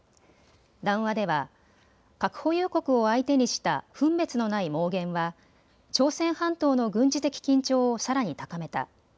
談話では、核保有国を相手にした分別のない妄言は朝鮮半島の軍事的緊張をさらに高めた。